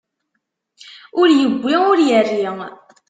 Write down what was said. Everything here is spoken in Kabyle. Ur iwwi, ur irri.